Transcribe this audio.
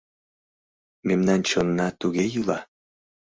Мемнан чонна туге йӱла.